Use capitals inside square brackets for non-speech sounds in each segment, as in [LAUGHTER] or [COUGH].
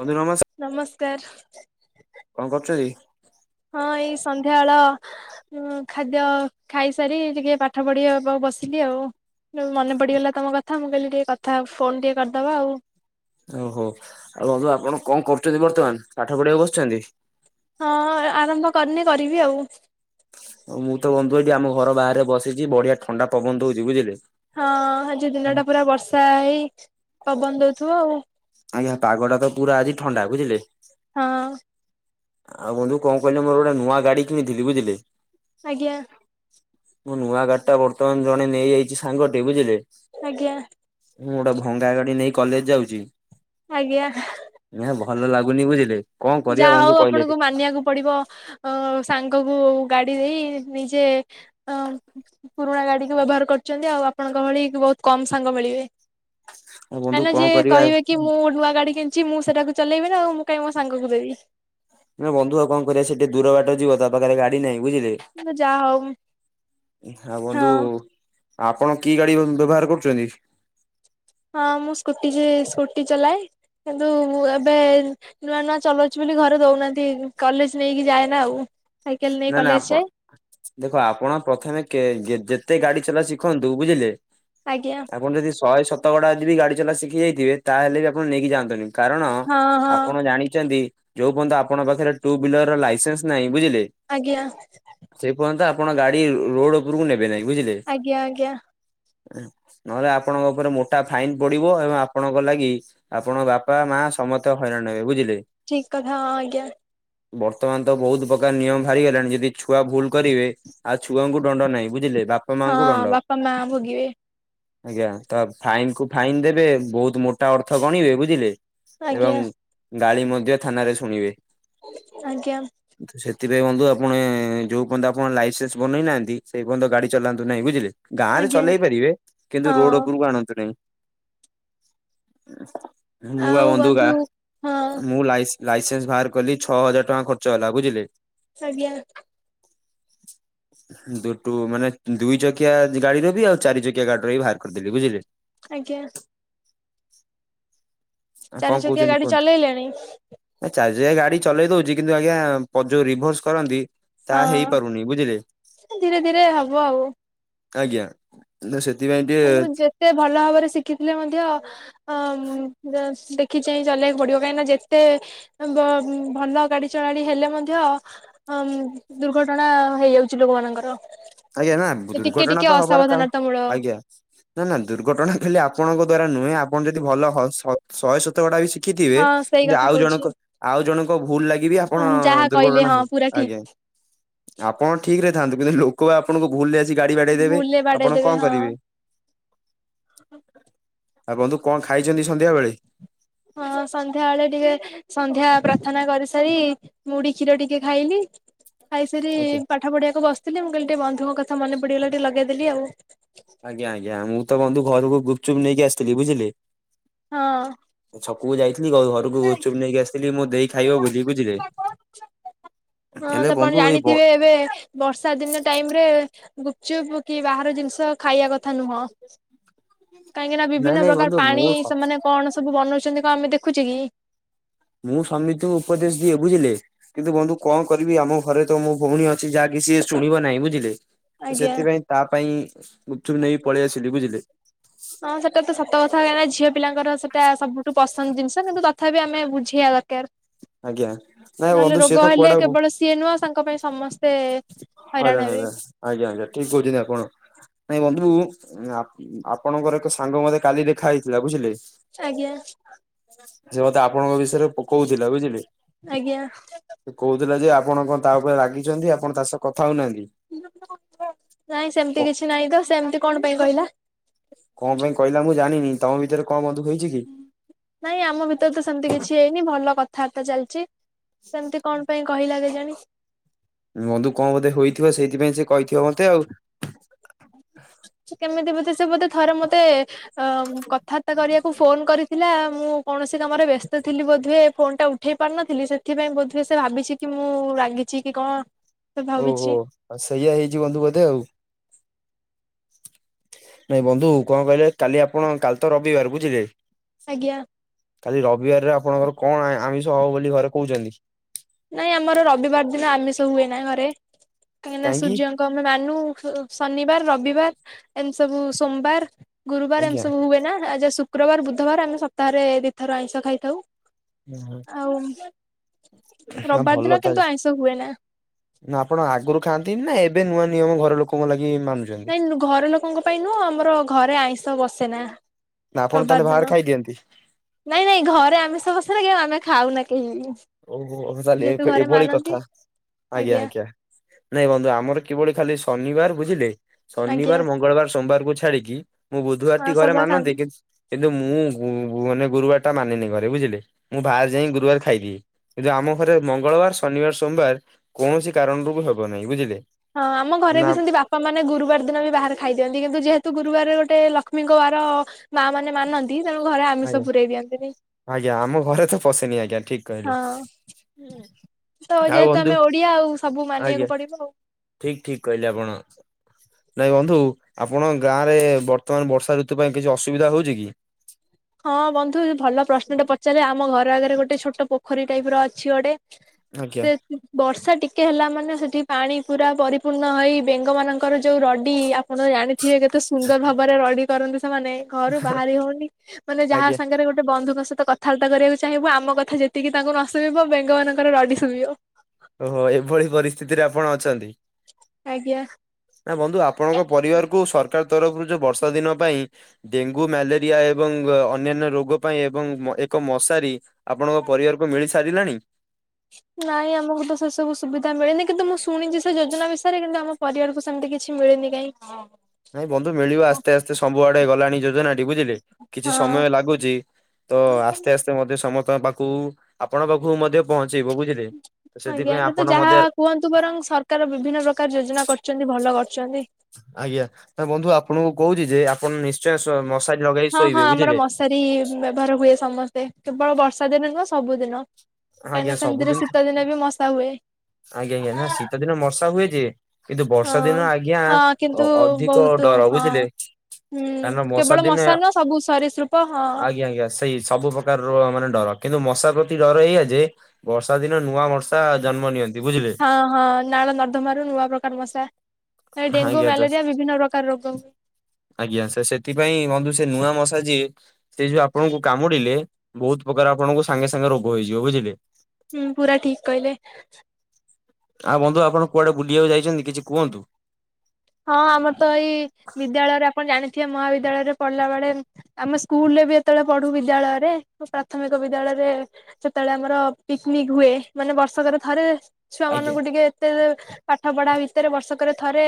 ବନ୍ଧୁ ନମସ୍କାର ନମସ୍କ--କଣ କରୁଚକି? ହଁ ଏଇ ସନ୍ଧ୍ୟାବେଳ ଉଁ ଖାଦ୍ୟ ଖାଇସାରି ଟିକେ ପାଠ ପଢ଼ିବା ବ ବସିକି ଆଉ। ଏଇ ଯୋଉ ମନେ ପଡିଗଲା ତମ କଥା ମୁଁ କହିଲି ଟିକେ କଥା ଫୋନ୍ ଟିକେ କରିଦବା ଆଉ। ଓ ହଉ ଆଉ ଯୋଉ ଆପଣ କଣ କରୁଚନ୍ତି ବର୍ତ୍ତମାନ୍ ପାଠ ପଢିବାକୁ ବସିଚନ୍ତି? ହଁ ଏ ଆରମ୍ଭ କରିନି କରିବି ଆଉ। ହଁ ମୁଁ ତ ବନ୍ଧୁ ଏଠି ଆମ ଘର ବାହାରେ ବସିଚି ବଢିଆ ଥଣ୍ଡା ପବନ ଦଉଚି ବୁଝିଲେ। ହଁ ଆଜି ଦିନ ଟା ପୁରା ବର୍ଷା ହେଇ ପବନ ଦଉଥୁବ ଆଉ। ଆଜ୍ଞା ପାଗଟା ତ ପୁରା ଆଜି ଥଣ୍ଡା ବୁଝିଲେ। ହଁ ଅଁ। ଆଉ ବନ୍ଧୁ କଣ କହିଲେ ମୋର ଗୋଟା ନୂଆ ଗାଡି କିଣିଥିଲି ବୁଝିଲେ। ଆଜ୍ଞା। ମୋ ନୂଆ ଗାଡି ଟା ବର୍ତମାନ ଜଣେ ନେଇଯାଇଚି ସାଙ୍ଗଟେ ବୁଝିଲେ। ଆଜ୍ଞା। ମୁଁ ଗୋଟେ ଭଙ୍ଗାଗାଡି ନେଇ କଲେଜ ଯାଉଚି। ଆଜ୍ଞା। ହେଁ ନାଁ ଭଲ ଲାଗୁନି ବୁଝିଲେ କଣ କରିବା ବନ୍ଧୁ। କହିଲେ ଆପଣଙ୍କ ଏଠି। ମା ମାନିବାକୁ ପଡିବ ଅଁ ସାଙ୍ଗଙ୍କୁ ଗାଡି ଦେଇ ନିଜେ ଅଁ ପୁରୁଣା ଗାଡିକୁ ବ୍ୟବହାର କରୁଚନ୍ତି ଆଉ ଆପଣଙ୍କ ଭଳି ବହୁତ କମ ସାଙ୍ଗ ମିଳିବେ। ଆଉ ବନ୍ଧୁ କାଇଁନା କଣ ଯିଏ କରିବା କହିବେ କି ମୁଁ ନୂଆ ଗାଡି କିଣି ଚି ମୁଁ ସେଇଟାକୁ ଚଲେଇବି ନାଉ ମୁଁ କାଇହିଁ ମୋ ସାଙ୍ଗକୁ ଦେବି। ନାଁ ବନ୍ଧୁ ଆଉ କଣ କରିବା ସେ ଟିକେ ଦୂର ବାଟ ଯିବ ତା ପାଖରେ ଗାଡି ନାହିଁ ବୁଝିଲେ। କିନ୍ତୁ ଯାହା ହଉ ହାଁ ବନ୍ଧୁ ହଁ ଆପଣ କି ଗାଡି ବ୍ୟ ବ୍ୟବହାର କରୁଛନ୍ତି? ହଁ ମୁଁ ସ୍କୁଟି ଯି ସ୍କୁଟି ଚଲାଏ କିନ୍ତୁ ଏବେ ନୂଆ ନୂଆ ଚଲଉଚି ବୋଲି ଘରେ ଦଉନାହାନ୍ତି କଲେଜ ନେଇକି ଯାଏ ନାଁ ଆଉ। ସାଇକେଲ ନେଇ ନାଁ ନାଁ କଲେଜ ଆପଣ ଯାଏ ଦେଖ ଆପଣ ପ୍ରଥମେ କେଁ ଯେ ଯେତେ ଗାଡି ଚଲା ଶିଖନ୍ତୁ ବୁଝିଲେ। ଆଜ୍ଞା। ଆପଣ ଯଦି ଶହେ ଶତକଡା ଆଜି ବି ଗାଡ଼ି ଚଲା ଶିଖି ଯାଇଥିବେ ତାହେଲେ ବି ଆପଣ ନେଇିକିଯାନ୍ତୁନି। କାରଣ ହଁ ହଁ ଆପଣ ଜାଣିଚନ୍ତି? ଯୋଉଁ ପର୍ଯ୍ୟନ୍ତ ଆପଙ୍କ ପାଖରେ ଟୁ ହିଲର ର ଲାଇସେନ୍ସ ନାହିଁ ବୁଝିଲେ। ଆଜ୍ଞା। ସେ ପର୍ଯ୍ୟନ୍ତ ଆପଣ ଗାଡି ରୋରୋଡ ଉପରକୁ ନେବେ ନାହିଁ ବୁଝିଲେ। ଆଜ୍ଞା ଆଜ୍ଞା ନହେଲେ ଆପଣଙ୍କ ଉପରେ ମୋଟା ଫାଇନ ପଡିବ ଏବଂ ଆପଣଙ୍କ ଲାଗି ଆପଣଙ୍କ ବାପା ମା ସମସ୍ତେ ହଇରାଣ ହେବେ ବୁଝିଲେ ଠିକ୍ କଥା ହଁ ଆଜ୍ଞା। ବର୍ତ୍ତମାନ ତ ବହୁତ ପ୍ରକାର ନିୟମ ବାହାରିଗଲାଣି ଯଦି ଛୁଆ ଭୁଲ କରିବେ ଆଉ ଛୁଆଙ୍କୁ ଦଣ୍ଡ ନାହିଁ ବୁଝିଲେ ବା ହଁ ବାପା ମା ଭୋଗିବେ। ଆଜ୍ଞା ତ ଫାଇନ୍ କୁ ଫାଇନ୍ ଦେବେ ବହୁତ ମୋଟା ଅର୍ଥ ଗଣିବେ ବୁଝିଲେ। ଆଜ୍ଞା ଏବଂ ଗାଳି ମଧ୍ୟ ଥାନାରେ ଶୁଣିବେ। ଆଜ୍ଞା। ଉଚିତ୍ତି। ସେଥିପାଇଁ ବନ୍ଧୁ ଆପଣେ ଯୋଉ ପର୍ଯ୍ୟନ୍ତ ଆପଣ ଲାଇସେନ୍ସ ବନେଇ ନାହାନ୍ତି ସେଇ ପର୍ଯ୍ୟନ୍ତ ଗାଡି ଚଲାନ୍ତୁ ନାହିଁ ବୁଝିଲେ ଗାଁ ରେ ଆଜ୍ଞା ଚଲେଇ ପାରିବେ କିନ୍ତୁ ରୋଡ ହଁ ଉପରକୁ ଆଣନ୍ତୁ ନାହିଁ। ମୁଁ ପା ବନ୍ଧୁ ଗା ହଁ ମୁଁ ଲାଇସି ଲାଇସେନ୍ସ ବାହାର କଲି ଛଅ ହଜାର ଟଙ୍କା ଖର୍ଚ୍ଚ ହେଲା ବୁଝିଲେ ସରଗିଆ [INAUDIBLE] ଦୁଟୁ ମାନେ ଦୁଇ ଚକିଆ ଗାଡିର ବି ଆଉ ଚାରି ଚକିଆ ଗାଡିର ବି ଭାର କରିଦେବି ବୁଝିଲେ ଆଜ୍ଞା। ଚାରି ଚକିଆ ଗାଡି ଚଲେଇଲେଣି? ଏ ଚାରି ଚକିଆ ଗାଡି ଚଲେଇ ଦଉଛି, କିନ୍ତୁ ଆଜ୍ଞା ପ ଯୋଉ ରିଭର୍ସ କରନ୍ତି ତାହା ହଁ ହେଇପାରୁନି। ବୁଝିଲେ। ଧୀରେ ଧୀରେ ହବ ଆଉ ଆଜ୍ଞା। ନା ସେଥିପାଇଁ ମୁଁ ଟିକେ ଯେତେ ଭଲ ଭାବରେ ଶିଖିଥିଲେ ମଧ୍ୟ ଅ ଦେଖି ଚାହିଁ ଚଲେଇବାକୁ ପଡିବ, କାହିଁକି ନା ଯେତେ ବ ଭଲ ଗାଡି ଚଳାଳି ହେଲେ ମଧ୍ୟ ଅଁ ଦୁର୍ଘଟଣା ହେଇଯାଉଛି ଲୋକମାନଙ୍କର। ଆଜ୍ଞା ନା ସେ ଟିକେ ଦୁର୍ଘଟଣା ଟିକେ ତ ହବାର କାରଣ ଅସାବଧାନତା ମୂଳ ଆଜ୍ଞା। ନା ନା ଦୁର୍ଘଟଣା ଖାଲି ଆପଣଙ୍କ ଦ୍ଵାରା ନୁହେଁ, ଆପଣ ଯଦି ଭଲ ହସ ଶହେ ଶତକଡା ବି ଶିଖିଥିବେ ହଁ ସେଇ କିନ୍ତୁ କଥା ଆଉ କହୁଛି ଜଣଙ୍କ, ଆଉ ଜଣଙ୍କ ଭୁଲ ଲାଗି ବି ଆପଣ ଯାହା କହିଲେ ଦୁର୍ଘଟଣା ହଁ ହେବେ। ପୁରା ଠିକ ଆଜ୍ଞା। ଆପଣ ଠିକ୍ ରେ ଥାନ୍ତୁ, କିନ୍ତୁ ଲୋକ ଆପଣଙ୍କୁ ଭୁଲ ରେ ଆସି ଗାଡି ବାଡେଇ ଦେବେ। ଭୁଲରେ ବାଡେଇ ଆପଣ ଦେବେ କଣ ହଁ କରିବେ? ଆଉ ବନ୍ଧୁ କଣ ଖାଇଛନ୍ତି ସନ୍ଧ୍ୟା ବେଳେ? ହଁ ସନ୍ଧ୍ୟାବେଳେ ଟିକେ ସନ୍ଧ୍ୟା ପ୍ରାର୍ଥନା କରିସାରି, ମୁଡି କ୍ଷୀର ଟିକେ ଖାଇଲି। ଖାଇସାରି ଆଜ୍ଞା ପାଠ ପଢିବାକୁ ବସିଥିଲି, ମୁଁ କହିଲି ଟିକେ ବନ୍ଧୁଙ୍କ କଥା ମନେ ପଡିଗଲା ଟିକେ ଲଗେଇଦେଲି ଆଉ। ଆଜ୍ଞା ଆଜ୍ଞା, ମୁଁ ତ ବନ୍ଧୁ ଘରକୁ ଗୁପଚୁପ୍ ନେଇକି ଆସିଥିଲି ବୁଝିଲେ। ହଁ। ଛକକୁ ଯାଇଥିଲି ଘରକୁ ହଁ ଗୁପଚୁପ୍ ନେଇକି ଆସିଥିଲି, ମୋ ଦେଇ ଖାଇବ ବୋଲି ବୁଝିଲେ। ହଁ ହେଲେ ଆପଣ ବନ୍ଧୁ ଏଇ ବ ଜାଣିଥିବେ ଏବେ ବର୍ଷା ଦିନ ଟାଇମ୍ ରେ ଗୁପଚୁପ୍ କି ବାହାର ଜିନିଷ ଖାଇବା କଥା ନୁହଁ। କାହିଁକି ନା ନାଇଁ ବିଭିନ୍ନ ନାଇଁ ପ୍ରକାର ବନ୍ଧୁ ପାଣି, ମୁଁ ସେମାନେ କଣ ସବୁ ବନଉଛନ୍ତି କଣ ଆମେ ଦେଖୁଛେ କି? ମୁଁ ସମିତଙ୍କୁ ଉପଦେଶ ଦିଏ ବୁଝିଲେ। କିନ୍ତୁ ବନ୍ଧୁ କଣ କରିବି, ଆମ ଘରେ ତ ମୋ ଭଉଣୀ ଅଛି ଯାହାକି ସିଏ ଶୁଣିବ ନାହିଁ। ବୁଝିଲେ। ଆଜ୍ଞା ସେଥିପାଇଁ ତା ପାଇଁ ଗୁପଚୁପ୍ ନେଇ ପଳେଇ ଆସିଲି ବୁଝିଲେ। ହଁ ସେଟା ତ ସତ କଥା, କାଇଁ ନା ଝିଅ ପିଲାଙ୍କର ସେଟା ସବୁଠୁ ପସନ୍ଦ ଜିନିଷ କିନ୍ତୁ ତଥାପି ଆମେ ବୁଝିବା ଦରକାର। ଆଜ୍ଞା। ନାଇଁ ନହେଲେ ବନ୍ଧୁ ରୋଗ ସିଏତ ହେଲେ କୁଆଡେ଼ କେବଳ ସିଏ ନୁହଁ ତାଙ୍କ ପାଇଁ ସମସ୍ତେ ହଇରାଣ ହେବେ। ଆଜ୍ଞା ଆଜ୍ଞା, ଠିକ କହୁଛି ଆପଣ। ନାଇଁ ବନ୍ଧୁ ଆପ ଆପଣଙ୍କର ଏକ ସାଙ୍ଗ ମତେ କାଲି ଦେଖା ହେଇଥିଲା ବୁଝିଲେ। ଆଜ୍ଞା। ସେ ମତେ ଆପଣଙ୍କ ବିଷୟରେ ପ କଉଥିଲା ବୁଝିଲେ। ଆଜ୍ଞା ସେ କହୁଥିଲା ଯେ ଆପଣ କଣ ତା ଉପରେ ରାଗିଛନ୍ତି। ଆପଣ ତା ସହ କଥା ହଉନାହାନ୍ତି। ନାଇଁ ସେମତି କିଛି ନାଇଁ ତ। ସେ ଏମିତି କଣ ପାଇଁ କହିଲା? କଣ ପାଇଁ କହିଲା ମୁଁ ଜାଣିନି। ତମ ଭିତରେ କଣ ବନ୍ଧୁ ହେଇଚି କି? ନାଇଁ ଆମ ଭିତରେ ତ ସେମିତି କିଛି ହେଇନି। ଭଲ କଥାବାର୍ତ୍ତା ଚାଲିଛି। ସେମିତି କଣ ପାଇଁ କହିଲା କେଜାଣି? ବନ୍ଧୁ କଣ ବୋଧେ ହୋଇଥିବ, ସେଇଥିପାଇଁ ସେ କହିଥିବ ମତେ ଆଉ। କେମିତି ବୋଧେ ସେ ବୋଧେ, ଥରେ ମତେ ଁ କଥାବାର୍ତ୍ତା କରିବାକୁ ଫୋନ କରି ଥିଲା, ମୁଁ କୌଣସି କାମରେ ବ୍ୟସ୍ତ ଥିଲି ବୋଧହୁଏ ଫୋନଟା ଉଠେଇ ପାରିନଥିଲି, ସେଥିପାଇଁ ବୋଧହୁଏ ସେ ଭାବିଛି କି ମୁଁ ରାଗିଛି କି କଣ? ସେ ଭାବିଛି। ହଁ ସେଇଆ ହେଇଛି, ବନ୍ଧୁ ବୋଧେ ଆଉ। ନାଇଁ ବନ୍ଧୁ, କଣ କହିଲେ କାଲି ଆପଣ କାଲି ତ ରବିବାର ବୁଝିଲେ। ଆଜ୍ଞା। କାଲି ରବିବାରରେ ଆପଣଙ୍କର କଣ ଆ ଆମିଷ ହବ ବୋଲି ଘରେ କହୁଛନ୍ତି। ନାଇଁ ଆମର ରବିବାର ଦିନ ଆମିଷ ହୁଏନା ଘରେ କାହିଁକିନା କାହିଁକି ସୂର୍ଯ୍ୟ ଆମେ ମାନୁ ଶନିବାର ରବିବାର ଏମିତି ସବୁ ସୋମବାର। ଗୁରୁବାର ଆଜ୍ଞା। ଏମିତି ସବୁ ହୁଏ ନା ଏ ଯୋଉ ଶୁକ୍ରବାର ବୁଧବାର ଆମେ ସପ୍ତାହରେ ଦିଇଥର ଆଇଁଷ ଖାଇଥାଉ। ଆଉ। ନା ରବିବାର ଭଲ ଦିନ କିନ୍ତୁ ତାହେଲେ। ଆଇଁଷ ହୁଏନା। ନା ଆପଣ ଆଗରୁ ଖାଆନ୍ତିନି ନା ଏବେ ନୂଆ ନିୟମ ଘର ଲୋକ କ ଙ୍କ ଲାଗି ମାନୁଛନ୍ତି। ନାଇଁ ଘର ଲୋକଙ୍କ ପାଇଁ ନୁହଁ ଆମର ଘରେ ଆଇଁଷ ବସେ ନା। ନା ଆପଣ ତାହେଲେ ବାହାର ଖାଇଦିଅନ୍ତି। ନାଇଁ ନାଇଁ ଘରେ ଆମିଷ ପସେନା କି ଆମେ ଖାଉ ନା କେହି ଓହୋ ତାଲେ ଯେହେତୁ ଏବେ ଘରେ ଏଭଳି ମାନନ୍ତି। କଥା ଆଜ୍ଞା ଆଜ୍ଞା। ନାଇଁ ବନ୍ଧୁ ଆମର କିଭଳି ଖାଲି ଶନିବାର ବୁଝିଲେ? ଆଜ୍ଞା ଶନିବାର, ମଙ୍ଗଳବାର, ସୋମବାରକୁ ଛାଡିକି ମୁଁ ବୁଧବାର ଟି ଆଉ ଘରେ ସବୁବେଳେ ମାନନ୍ତି ଖାଆନ୍ତି। କିନ୍ କିନ୍ତୁ ମୁଁ ବୁ ମାନେ ଗୁରୁବାର ଟା ମାନେନି ଘରେ ବୁଝିଲି ମୁଁ ବାରେ ଯାଇ ମୁଁ ଗୁରୁବାର ଖାଇଦିଏ। କିନ୍ତୁ ଆମ ଘରେ ମଙ୍ଗଳବାର, ଶନିବାର, ସୋମବାର, କୌଣସି କାରଣରୁ ବି ହବ ନାହିଁ ବୁଝିଲେ। ହଁ ଆମ ଘରେ ନା ବି ସେମତି ବାପ ବାପା ମାନେ ଗୁରୁବାର ଦିନ ବି ବାହାରାରେ ଖାଇ ଦିଅନ୍ତି। କିନ୍ତୁ ଯେହେତୁ ଗୁରୁବାର ଗୋଟେ ଲକ୍ଷ୍ମୀଙ୍କ ବାର ମା ମାନେ ମାନନ୍ତି ତେଣୁ ଘରେ ଆମିଷ ଆଜ୍ଞା ପୁରେଇ ଦିଅନ୍ତି ନି। ଆଜ୍ଞା ଆମ ଘରେ ତ ପଶେନି ଆଜ୍ଞା ଠିକ। କହିଲେ ହଁ ତ ଆଉ ଯେହେତୁ ବନ୍ଧୁ ଆମେ ଓଡିଆ ଆଉ ସବୁ ମାନିବାକୁ ପଡିବ ଆଉ। ଠିକ୍ ଠିକ୍ କହିଲେ ଆପଣ। ନାଇଁ ବନ୍ଧୁ ଆପଣ ଗାଁ ରେ ବର୍ତ୍ତମାନ ବର୍ଷା ଋତୁ ପାଇଁ କିଛି ଅସୁବିଧା ହଉଛି କି? ହଁ ବନ୍ଧୁ ଭଲ ପ୍ରଶ୍ନଟେ ପଚାରିଲେ ଆମ ଘର ଆଗରେ ଗୋଟେ ଛୋଟ ପୋଖରୀ ଟାଇପ ର ଅଛି ଗୋଟେ। ଆଜ୍ଞା ତେ [UNINTELLIGIBLE] ବର୍ଷା ଟିକେ ହେଲା ମାନେ ସେଠି ପାଣି ପୁରା ପରିପୂର୍ଣ୍ଣ ହୋଇ ବେଙ୍ଗ ମାନଙ୍କର ଯୋଉ ରଡି ଆମ୍ ଆଣ ଜାଣିଥିବେ କେତେ ସୁନ୍ଦର ଭାବରେ ରଡି କରନ୍ତି ସେମାନେ ଘରୁ ବାହାରି ହଉନି ମାନେ ଯାହା ଆଜ୍ଞା ସାଙ୍ଗେ ଗୋଟେ ବନ୍ଧୁଙ୍କ ସହିତ କଥାବାର୍ତ୍ତା କରିବାକୁ ଚାହିଁବୁ ଆମ କଥା ଯେତିକି ତାଙ୍କୁ ନ ଶୁଭିବ ବେଙ୍ଗ ମାନଙ୍କର ରଡି ଶୁଭିବ। ଓହୋ ଏଭଳି ପରିସ୍ଥିତିରେ ଆପଣ ଅଛନ୍ତି। ଆଜ୍ଞା। ଏ ବନ୍ଧୁ ଆପଣଙ୍କ ପରିବାର କୁ ସରକାରଙ୍କ ତରଫରୁ ଯୋଉ ବର୍ଷା ଦିନ ପାଇଁ ଡେଙ୍ଗୁ ମ୍ୟାଲେରିଆ ଏବଂ ଅନ୍ୟାନ୍ୟ ରୋଗ ପାଇଁ ଏବଂ ଏକ ମଶାରୀ ଆପଣଙ୍କ ପରିବାରକୁ ମିଳି ସାରିଲାଣି? ନାଇଁ ଆମକୁ ତ ସେସବୁ ସୁବିଧା ମିଳିନି। କିନ୍ତୁ ମୁଁ ଶୁଣିଛି ସେ ଯୋଜନା ବିଷୟରେ କିନ୍ତୁ ଆମ ପରିବାରକୁ ସେମତି କିଛି ମିଳିନି କାହିଁ ନାଇଁ ବନ୍ଧୁ ମିଳିବ ଆସ୍ତେ ଆସ୍ତେ ସବୁ ଆଡେ ଗଲାଣି ଯୋଜନାଟି ବୁଝିଲେ କିଛି ହଁ। ସମୟ ଲାଗୁଛି ତ ଆସ୍ତେ ଆସ୍ତେ ମଧ୍ୟ ସମସ୍ତଙ୍କ ପାଖକୁ ଆପଣଙ୍କ ପାଖକୁ ମଧ୍ୟ ପହଞ୍ଚେଇବ ବୁଝିଲେ? ତ ସେଥିପାଇଁ ଆଜ୍ଞା ତ ଆପଣ ଯାହା ମଧ୍ୟ କୁହନ୍ତୁ ବରଂ ସ କାରଣ ବିଭିନ୍ନ ପ୍ରକାର ଯୋଜନା କରଛନ୍ତି ଭଲ କରୁଛନ୍ତି। ଆଜ୍ଞା ନା ବନ୍ଧୁ ଆପଣଙ୍କୁ କହୁଛି ଯେ ଆପଣ ନିଶ୍ଚୟ ମସାରି ନଗେଇ ଶୋଇବେ ବୁଝିଲେ? ମସାରୀ ବ୍ୟବହାର ହୁଏ ସମସ୍ତେ କେବଳ ବର୍ଷା ଦିନ ନୁହଁ ସବୁଦିନ ଆଜ୍ଞା କାଇଁନା ସେମିତିରେ ସବୁଦିନ ଶୀତ ଦିନ ବି ମଶା ହୁଏ। ଆଜ୍ଞା ଆଜ୍ଞା ନା ଶୀତ ଦିନେ ମସା ହୁଏ ଯେ। କିନ୍ତୁ ବର୍ଷା ହଁ। ଦିନ ଆଜ୍ଞା ହଁ କିନ୍ତୁ ଅଧିକ ବହୁତ ଡର ହଁ ବୁଝିଲେ? କାରଣ ହୁଁ କେବଳ ଦିନେ ମଶା ନୁହଁ ସବୁ ସରିଶୁପ ହଁ। ଆଜ୍ଞା ଆଜ୍ଞା ସେଇ ସବୁ ପ୍ରକାର ର ମାନେ ଡର କିନ୍ତୁ ମଶା ପ୍ରତି ଡର ଏଇଆ ଯେ ବର୍ଷା ଦିନ ନୂଆ ବର୍ଷା ଜନ୍ମ ନିଅନ୍ତି ବୁଝିଲେ? ହଁ ହଁ ନାଳ ନର୍ଦ୍ଦମାରୁ ନୂଆ ପ୍ରକାର ମଶା ଡେଙ୍ଗୁ ଆଜ୍ଞା ତ ମ୍ୟାଲେରିଆ ବିଭିନ୍ନ ପ୍ରକାର ରୋଗ ହୁଏ। ଆଜ୍ଞା ସେ ସେଥିପାଇଁ ବନ୍ଧୁ ସେ ନୂଆ ମଶା ଯଏ ସେଇ ଯୋଉ ଆପଣଙ୍କୁ କାମୁଡିଲେ ବୋହୁତ ପ୍ରକାର ଆପଣଙ୍କୁ ସାଙ୍ଗେ ସାଙ୍ଗେ ରୋଗ ହେଇଯିବ ବୁଝିଲେ? ହୁଁ ପୁରା ଠିକ୍ କହିଲେ। ଆଉ ବନ୍ଧୁ ଆପଣ କୁଆଡେ ବୁଲିବାକୁ ଯାଇଛନ୍ତି କିଛି କୁହନ୍ତୁ? ହଁ ଆମର ତ ଏଇ ବିଦ୍ୟାଳୟରେ ଆପଣ ଜାଣିଥିବେ ମହାବିଦ୍ୟାଳୟରେ ପଢିଲା ବେଳେ ଆମେ ସ୍କୁଲ ରେ ବି ଏତେବେଳେ ପଢୁ ବିଦ୍ୟାଳୟରେ ପ୍ରାଥମିକ ବିଦ୍ୟାଳୟରେ ସେତେବେଳେ ଆମର ପିକନିକ ହୁଏ ମାନେ ବର୍ଷକରେ ଥରେ ଛୁଆ ଆଜ୍ଞା ମାନଙ୍କୁ ଟିକେ ଏତେ ପାଠ ପଢା ଭିତରେ ବର୍ଷକରେ ଥରେ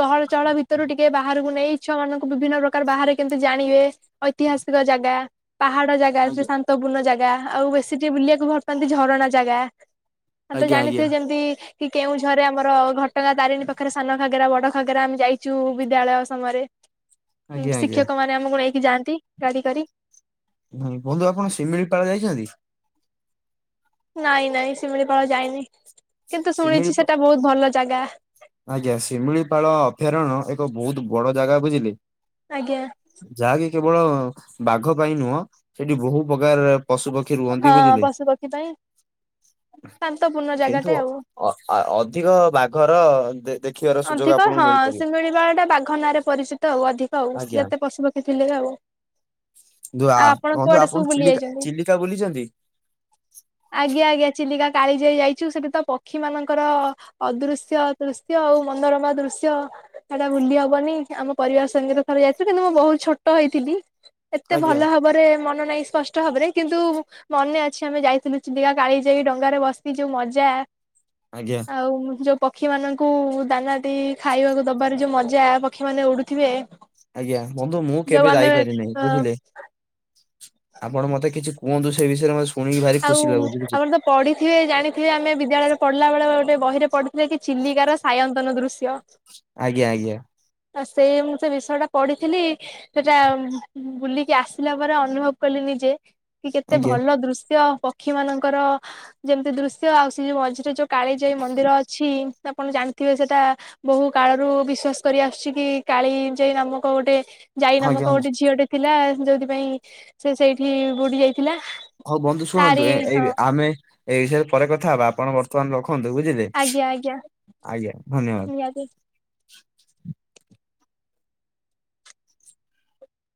ଗହଳ ଚହଳ ଭିତରୁ ଟିକେ ବାହାରକୁ ନେଇ ଛୁଆ ମାନଙ୍କୁ ବିଭିନ୍ନ ପ୍ରକାର ବାହାରେ କେମିତି ଜାଣିବେ? ଐତିହାସିକ ଜାଗା ପାହାଡ ଜାଗା ଜାଗେ ଆଜ୍ଞା ଶାନ୍ତପୂର୍ଣ୍ଣ ଜାଗା ଆଉ ବେଶୀ ଟିକି ବୁଲିବାକୁ ଭଲ ପାନ୍ତି ଝରଣା ଜାଗା ହଁ ତ ଆଜ୍ଞା ଆଜ୍ଞା ଜାଣିଥିବ ଯେମିତି କି କେଉଁ ଝରେ ଆମର ଘଟଗାଁ ତାରିଣୀ ପାଖରେ ସାନ ଘାଗେରା ବଡ ଘାଘେରା ଆମେ ଯାଇଚୁ ବିଦ୍ୟାଳୟ ସମୟରେ ଆଜ୍ଞା ଆଜ୍ଞା ଶିକ୍ଷକ ମାନେ ସେ ଆମକୁ ନେଇକି ଯାନ୍ତି ଗାଡି କରି। ବନ୍ଧୁ ଆପଣ ଶିମିଳିପାଳ ଯାଇଚନ୍ତି? ନାଇଁ ନାଇଁ ଶିମିଳିପାଳ ଯାଇନି କିନ୍ତୁ ଶିମିଳିପା ଶୁଣିଚି ସେଟା ବୋହୁତ ଭଲ ଜାଗା। ଆଜ୍ଞା ଶିମିଳିପାଳ ଅଭୟାରଣ୍ୟ ଏକ ବୋହୁତ ବଡ ଜାଗା ବୁଝିଲି। ଆଜ୍ଞା। ଯାହାକି କେବଳ ବାଘ ପାଇଁ ନୁହଁ ସେଠି ବୋହୁ ପ୍ରକାର ପଶୁପକ୍ଷୀ ରୁହନ୍ତି ହଁ ବୁଝିଲେ ପଶୁ ପକ୍ଷୀ ପାଇଁ ଶାନ୍ତପୂର୍ଣ୍ଣ ଜାଗାଟେ କିନ୍ତୁ ଆଉ ଅ ଆ ଅଧିକ ବାଘର ଦେଖିବାର ସୁଯୋଗ ଅଧିକ ଆପଣଙ୍କୁ ହଁ ମିଳିପାରିବ ସିମିଳିପାଳ ଟା ବାଘ ନାଁରେ ପରିଚିତ ଆଉ ଅଧିକ ଆଉ ଆଜ୍ଞା। ଯେତେ ପଶୁପକ୍ଷୀ ଥିଲେ ବି ଆଉ ତୁ ଆ ଆପଣ ରୁହନ୍ତୁ କୁଆଡେ ସବୁ ଆପଣ ବୁଲି ଚିଲିକା ଯାଇଛନ୍ତି? ଚିଲିକା ବୁଲିଚନ୍ତି? ଆଜ୍ଞା ଆଜ୍ଞା ଚିଲିକା କାଳି ଯାଇ ଯାଇଚୁ ସେଠି ତ ପକ୍ଷୀ ମାନଙ୍କର ଅଦୃଶ୍ୟ ଦ ଆଉ ମନୋରମା ଦୃଶ୍ୟ। ହେଟା ବୁଲି ହବନି ଆମ ପରିବାର ସଙ୍ଗେତ ଥରେ ଯାଇଥିଲୁ କିନ୍ତୁ ମୁଁ ବହୁତ ଛୋଟ ହେଇଥିଲି। ଏତେ ଆଜ୍ଞା ଭଲ ଭାବରେ ମନ ନାହିଁ ସ୍ପଷ୍ଟ ଭାବରେ କିନ୍ତୁ ମନେ ଅଛି ଆମେ ଯାଇଥିଲୁ ଚିଲିକା କାଳି ଯାଇ ଡଙ୍ଗାରେ ବସିକି ଯୋଉ ମଜା। ଆଜ୍ଞା। ଆଉ ଯୋଉ ପକ୍ଷୀ ମାନଙ୍କୁ ଦାନା ସେ ଖାଇବାକୁ ଦବାର ଯୋଉ ମଜା ପକ୍ଷୀମାନେ ଉଡୁଥିବେ। ଆଜ୍ଞା ବନ୍ଧୁ ମୁଁ ଯୋଉ କେବେ ଆମେ ଯାଇପାରିନାଇ ଅ ବୁଝିଲେ। ଆପଣ ମତେ କିଛି କୁହନ୍ତୁ ସେ ବିଷୟରେ ମୁଁ ଶୁଣି ଆଉ ଆମର ତ ପଢିଥିବେ ଜାଣିଥିବେ ଆମେ ବିଦ୍ୟାଳୟରେ ପଢିଲା ବେଳେ ଗୋଟେ ବହିରେ ପଢ ଥିରେକି ଚିଲିକାର ସାୟନ୍ତନର ଦୃଶ୍ୟ। ଆଜ୍ଞା ଆଜ୍ଞା। ଆ ସେଇ ମୁଁ ସେ ବିଷୟଟା ପଢିଥିଲି। ସେଟା ବୁଲିକି ଆସିଲା ପରେ ଅନୁଭବ କଲି ନିଜେ କି କେତେ ଆଜ୍ଞା ଭଲ ଦୃଶ ପକ୍ଷୀ ମାନଙ୍କର ଯେମିତି ଦୃଶ୍ୟ ଆଉ ସେ ଯୋଉ ମଝିରେ ଯୋ କାଳିଜାଇ ମନ୍ଦିର ଅଛି, ଆପଣ ଜାଣିଥିବେ ସେଟା ବହୁକାଳରୁ ବିଶ୍ଵାସ କରି ଆସୁଛି କି କାଳିଯାଇ ନାମକ ଗୋଟେ ଜାଇ ନାମକ ଆଜ୍ଞା। ଗୋଟେ ଝିଅଟେ ଥିଲା ଯୋଉଥିପାଇଁ ସେ ସେଇଠି ବୁଡି ଯାଇଥିଲା। ହଉ ବନ୍ଧୁ ଶୁଣନ୍ତୁ ତାରି [UNINTELLIGIBLE] ହଁ ଏଇ ଆମେ ଏହି ବିଷୟରେ ପରେ କଥା ହବା ଆପଣ ବର୍ତ୍ତମାନ ରଖନ୍ତୁ ବୁଝିଲେ। ଆଜ୍ଞା ଆଜ୍ଞା ଆଜ୍ଞା ଧନ୍ୟବାଦ। ନିହାତି।